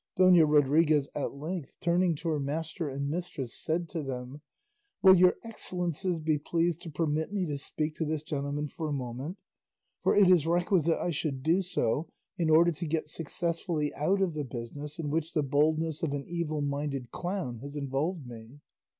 Dona Rodriguez, at length, turning to her master and mistress said to them, "Will your excellences be pleased to permit me to speak to this gentleman for a moment, for it is requisite I should do so in order to get successfully out of the business in which the boldness of an evil minded clown has involved me?"